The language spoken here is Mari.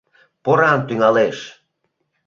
Поран тӱҥалеш.